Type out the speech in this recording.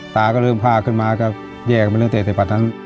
ตาก็เริ่มพากขึ้นมาครับแย่กันมาตั้งแต่ปัดนั้น